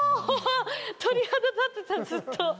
鳥肌立ってた、ずっと。